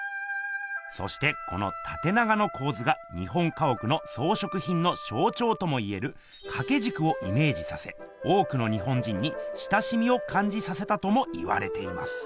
そしてこの縦長の構図が日本家おくのそうひょくひんのしょうちょうともいえる掛け軸をイメージさせ多くの日本人に親しみをかんじさせたとも言われています。